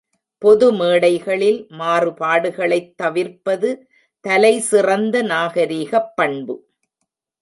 பொது மேடைகளில் மாறுபாடுகளைத் தவிர்ப்பது தலைசிறந்த நாகரிகப் பண்பு.